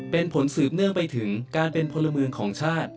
เป็นผลสืบเนื่องไปถึงการเป็นพลเมืองของชาติ